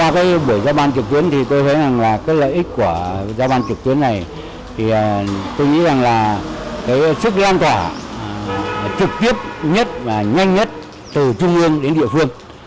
qua buổi gia ban trực tuyến tôi thấy lợi ích của gia ban trực tuyến này là sức lan thỏa trực tiếp nhất và nhanh nhất từ trung ương đến địa phương